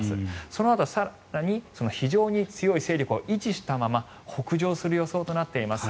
そのあと更に非常に強い勢力を維持したまま北上する予想となっています。